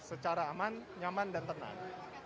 secara aman nyaman dan tenang